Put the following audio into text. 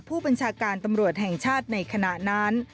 ผู้บัญชาการตำรวจแห่งชาติในขณะนั้น